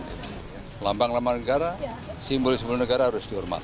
jadi lambang lambang negara simbol simbol negara harus dihormat